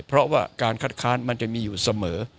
เพราะว่าการคัดค้านมันจะมีอยู่เสมอ